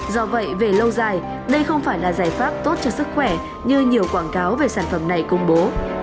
do vậy về lâu dài đây không phải là giải pháp tốt cho sức khỏe như nhiều quảng cáo về sản phẩm này công bố